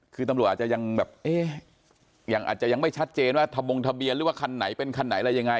คือตำรวจอาจจะยังแบบเอ๊ะยังอาจจะยังไม่ชัดเจนว่าทะบงทะเบียนหรือว่าคันไหนเป็นคันไหนอะไรยังไง